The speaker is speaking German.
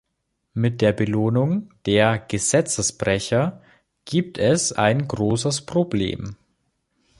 Mit der Belohnung der Gesetzesbrecher gibt es ein großes Problem.